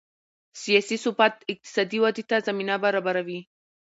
سیاسي ثبات اقتصادي ودې ته زمینه برابروي